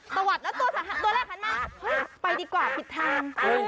ตัวแรกตอนันไปดีกว่าพิดทาง